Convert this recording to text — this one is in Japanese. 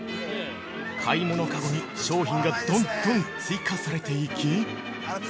買い物カゴに商品がどんどん追加されていき◆